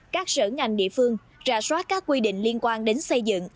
các sở ngành địa phương rà soát các quy định liên quan đến xây dựng